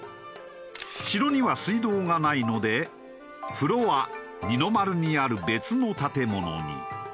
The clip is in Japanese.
城には水道がないので風呂は二の丸にある別の建物に。